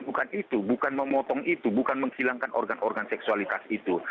bukan itu bukan memotong itu bukan menghilangkan organ organ seksualitas itu